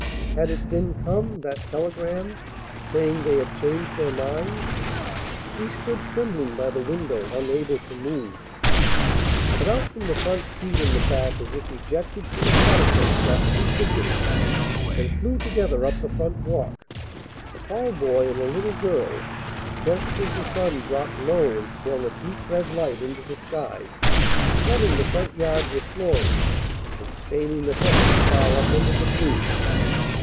Had it then come, that telegram, saying they had changed their minds? She stood trembling by the window, unable to move. But out from the front seat and the back as if ejected from a catapult shot two figures, and flew together up the front walk, a tall boy and a little girl, just as the sun dropped low and swung a deep red light into the sky, flooding the front yard with glory, and staining the heavens far up into the blue.